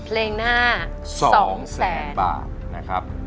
เพลงหน้า๒แสนบาทนะครับ